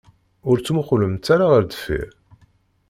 Ur ttmuqqulemt ara ɣer deffir.